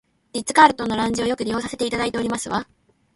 リッツカールトンのラウンジをよく利用させていただいておりますわ